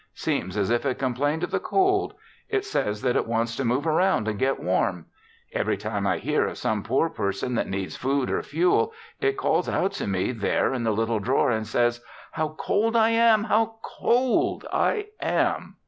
Seems as if it complained of the cold. It says that it wants to move around and get warm. Every time I hear of some poor person that needs food or fuel, it calls out to me there in the little drawer and says, 'How cold I am! How cold I am!'